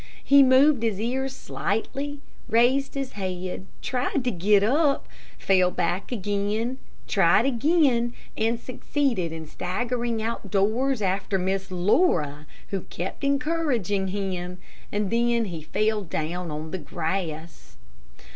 He moved his ears slightly, raised his head, tried to get up, fell back again, tried again, and succeeded in staggering outdoors after Miss Laura, who kept encouraging him, and then he fell down on the grass.